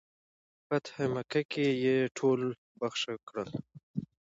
فتح مکه کې یې ټول بخښنه کړل.